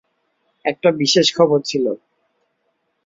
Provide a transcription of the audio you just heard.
একটা বিশেষ খবর ছিল।